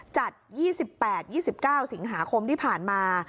จัด๒๘๒๙สิงหาคมที่ผ่านมา